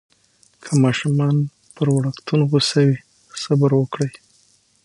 که ماشوم پر وړکتون غوصه وي، صبر وکړئ.